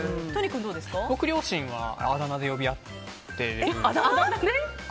両親はあだ名で呼び合ってます。